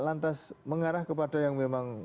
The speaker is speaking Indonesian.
lantas mengarah kepada yang memang